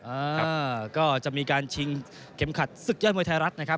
อ่าครับก็จะมีการชิงเข็มขัดศึกยอดมวยไทยรัฐนะครับ